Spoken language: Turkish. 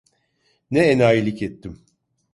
Ne enayilik ettim!